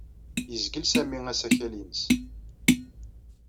Yezgel Sami asakal-nnes.